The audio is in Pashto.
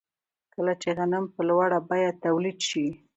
کله چې غنم په لوړه بیه تولید شي